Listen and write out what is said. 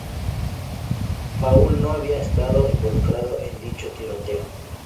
Paul no había estado involucrada en dicho tiroteo.